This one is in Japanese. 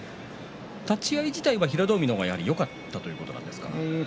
立ち合い自体は平戸海の方がよかったということですか？